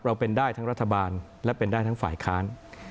เราเป็นได้ทั้งรัฐบาลและเป็นได้ทั้งฝ่ายค้าน